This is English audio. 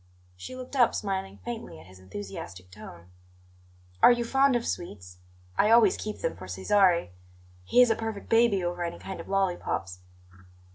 She looked up, smiling faintly at his enthusiastic tone. "Are you fond of sweets? I always keep them for Cesare; he is a perfect baby over any kind of lollipops."